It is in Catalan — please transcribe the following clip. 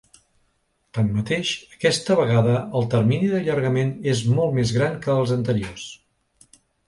Tanmateix, aquesta vegada el termini d’allargament és molt més gran que els anteriors.